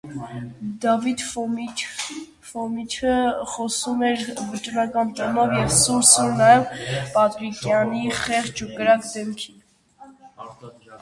Դավիթ Ֆոմիչը խոսում էր վճռական տոնով և սուր-սուր նայում Պատրիկյանի խեղճ ու կրակ դեմքին: